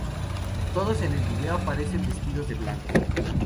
Todos en el vídeo aparecen vestidos de blanco.